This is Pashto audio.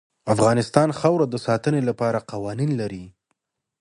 افغانستان د خاوره د ساتنې لپاره قوانین لري.